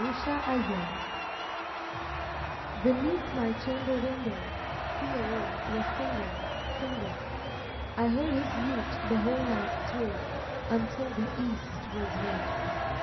THE ROSE BENEATH my chamber window Pierrot was singing, singing; I heard his lute the whole night thru Until the east was red.